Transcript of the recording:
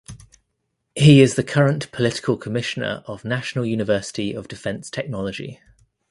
He is the current Political Commissioner of National University of Defense Technology.